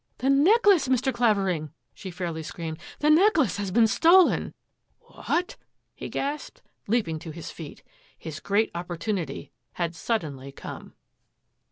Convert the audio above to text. " The necklace, Mr. Clavering !'' she f ai screamed. ^^ The necklace has been stolen !" "Wha — at?*' he gasped, leaping to his f His great opportunity had suddenly come.